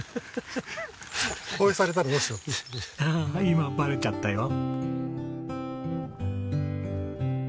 今バレちゃったよ。